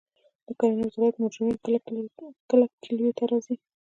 د کرنې وزارت مروجین کله کلیو ته راځي؟